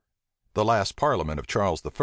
The last parliament of Charles I.